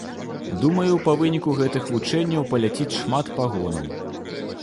Думаю, па выніку гэтых вучэнняў паляціць шмат пагонаў.